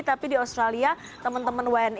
tapi di australia teman teman wni